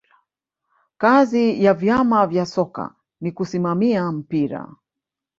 kazi ya vyama vya soka ni kusimamia mpira